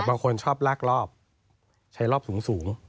บางคนชอบลากรอบใช้รอบสูง